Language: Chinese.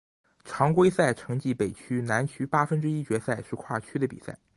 常规赛成绩北区南区八分之一决赛是跨区的比赛。